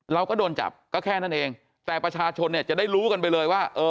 เราก็โดนจับก็แค่นั้นเองแต่ประชาชนเนี่ยจะได้รู้กันไปเลยว่าเออ